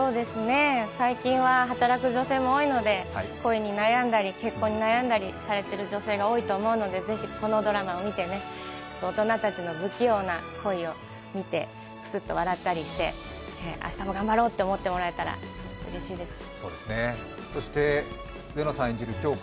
最近は働く女性も多いので恋に悩んだり、結婚に悩んだりされている女性が多いと思うので、ぜひこのドラマを見て、大人たちの不器用な恋を見てくすっと笑ったりして、明日も頑張ろうと思ってもらえたらうれしいです。